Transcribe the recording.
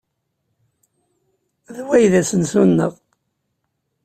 D wa ay d asensu-nneɣ?